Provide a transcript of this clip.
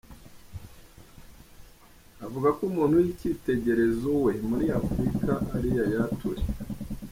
Avuga ko umuntu w'icyitegererezo we muri Africa ari Yaya Toure.